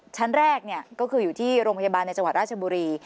ชั้นแรกก็คืออยู่ที่โรงพยาบาลในจังหวัดราชบุรี